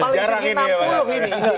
jangan lagi enam puluh ini